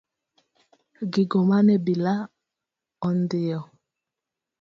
Gigo mane obila ondhiyo.